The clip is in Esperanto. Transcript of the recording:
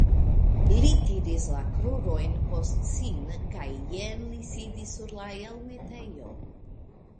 Li tiris la krurojn post sin kaj jen li sidis sur la elmetejo.